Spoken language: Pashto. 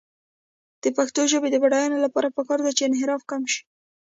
د پښتو ژبې د بډاینې لپاره پکار ده چې انحراف کم شي.